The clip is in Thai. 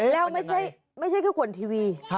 แล้วไม่ใช่ไม่ใช่ก็ขวนทีวี